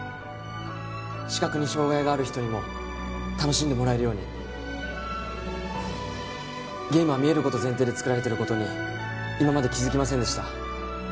視覚に障害がある人にも楽しんでもらえるようにゲームは見えること前提で作られてることに今まで気づきませんでした